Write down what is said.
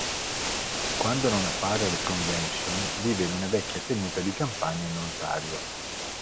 Quando non appare alle convention, vive in una vecchia tenuta di campagna in Ontario.